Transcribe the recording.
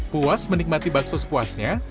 puas menikmati bakso sepuasnya